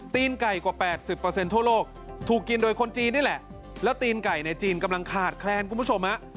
ไก่กว่า๘๐ทั่วโลกถูกกินโดยคนจีนนี่แหละแล้วตีนไก่ในจีนกำลังขาดแคลนคุณผู้ชมฮะ